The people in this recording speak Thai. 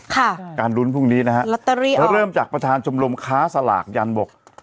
ค่ะการลุ้นพรุ่งนี้นะฮะลอตเตอรี่เริ่มจากประธานชมรมค้าสลากยันบอก